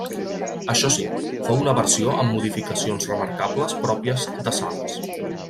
Això sí, fou una versió amb modificacions remarcables pròpies de Sales.